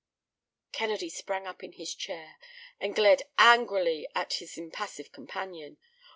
Kennedy sprang up in his chair and glared angrily at his impassive companion.